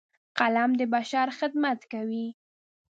قلم د بشر خدمت کوي